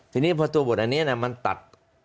ทีนี้พอตัวบทอันนี้มันตัด